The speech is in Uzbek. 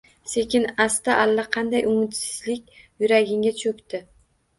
Sekin-asta allaqanday umidsizlik yuragingga cho’kdi.